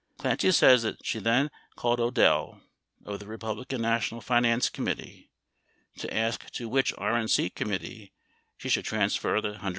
30 Clancy says that she then called Odell, of the Republican National Finance Committee, to ask to which RNC committee she should trans fer the $120,000.